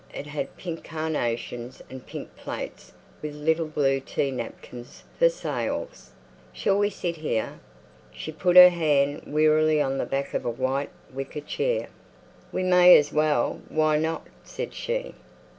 It had pink carnations and pink plates with little blue tea napkins for sails. "Shall we sit here?" She put her hand wearily on the back of a white wicker chair. "We may as well. Why not?" said she.